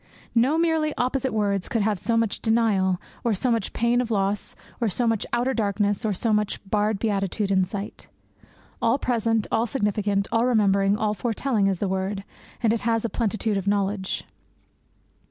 No merely opposite words could have so much denial, or so much pain of loss, or so much outer darkness, or so much barred beatitude in sight. All present, all significant, all remembering, all foretelling is the word, and it has a plenitude of knowledge.